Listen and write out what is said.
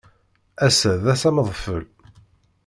Ass-a d ass amedfel.